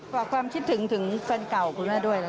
ฝากความคิดถึงถึงแฟนเก่าคุณแม่ด้วยนะ